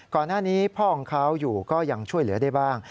ก่อนหน้านี้พ่อของเขาอยู่ก็ยังช่วยเหลือได้บ้าง